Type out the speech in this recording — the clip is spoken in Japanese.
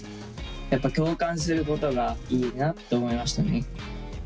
やっぱ共感することがいいなと思いましたね。